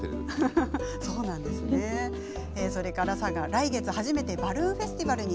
来月、初めてバルーンフェスティバルに